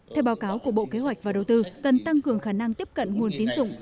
theo báo cáo của bộ kế hoạch và đầu tư cần tăng cường khả năng tiếp cận nguồn tiến dụng